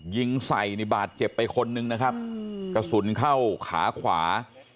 ยิงใส่ในบาดเจ็บไปคนนึงนะครับกระสุนเข้าขาขวา